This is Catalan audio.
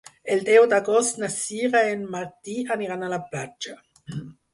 El deu d'agost na Sira i en Martí aniran a la platja.